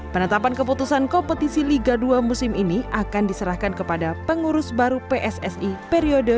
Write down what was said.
penetapan keputusan kompetisi liga dua musim ini akan diserahkan kepada pengurus baru pssi periode dua ribu dua puluh tiga dua ribu dua puluh tujuh